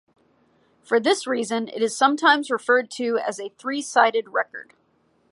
For this reason it is sometimes referred to as a "three-sided" record.